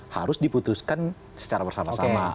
harus diputuskan secara bersama sama